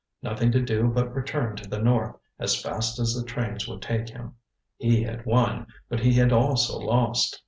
Nothing to do but return to the North, as fast as the trains would take him. He had won, but he had also lost.